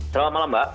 selamat malam mbak